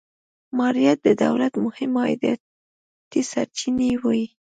مالیات د دولت مهمې عایداتي سرچینې وې.